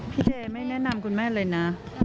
พี่แด่ไม่แนะนำคุณแม่เลยนะ